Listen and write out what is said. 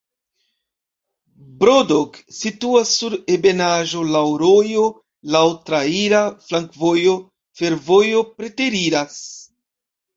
Bodrog situas sur ebenaĵo, laŭ rojo, laŭ traira flankovojo, fervojo preteriras.